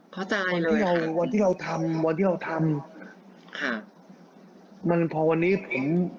เข้าใจเลยผู้ใหญ่วันที่เราทำวันที่เราทำค่ะมันพอวันนี้ผม